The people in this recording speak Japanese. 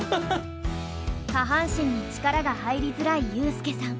下半身に力が入りづらいユースケさん。